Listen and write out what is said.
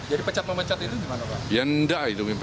jadi pecat memecat itu gimana pak